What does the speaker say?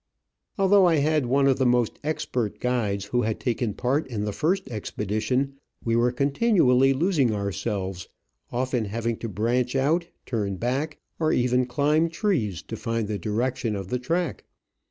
Although I had one of the most expert guides who had taken part in the first expedition, we were con tinually losing ourselves, often having to branch out, turn back, or even climb trees, to find the direction of the track.